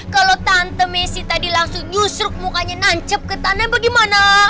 kalau tante messi tadi langsung nyusuk mukanya nancep ke tanah bagaimana